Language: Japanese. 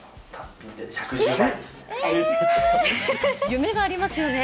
夢がありますよね。